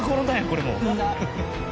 これもう。